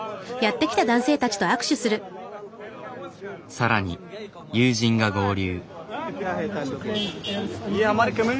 さらに友人が合流。